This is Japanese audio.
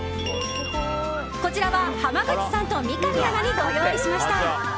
こちらは濱口さんと三上アナにご用意しました。